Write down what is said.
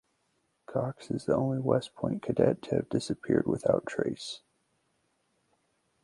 Cox is the only West Point cadet to have disappeared without trace.